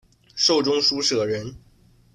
授中书舍人。